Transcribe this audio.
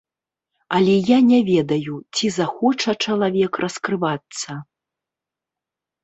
Але я не ведаю, ці захоча чалавек раскрывацца.